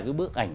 cái bức ảnh